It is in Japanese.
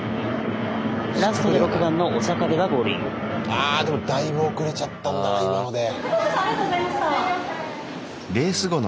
ああでもだいぶ遅れちゃったんだな今ので。